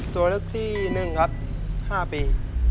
ส่วนลึกที่๑ครับ๕ปี